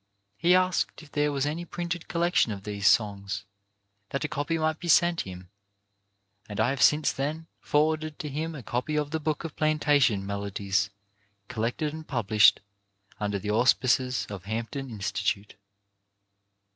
He asked if there was any printed collection of these songs, that a copy might be sent him, and I have since then forwarded to him a copy of the book of plantation melodies collected and published under the auspices of Hampton Institute.